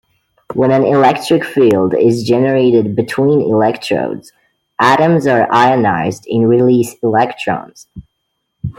When an electric field is generated between electrodes, atoms are ionized and release electrons.